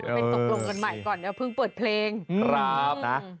เป็นตกลงกันใหม่ก่อนเดี๋ยวเพิ่งเปิดเพลง